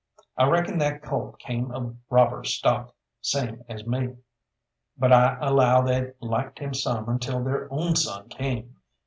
I reckon that colt came of robber stock, same as me, but I allow they liked him some until their own son came.